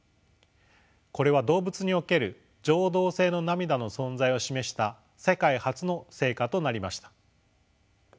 これは動物における情動性の涙の存在を示した世界初の成果となりました。